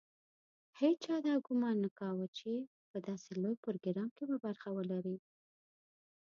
هېچا دا ګومان نه کاوه چې په داسې لوی پروګرام کې به برخه ولري.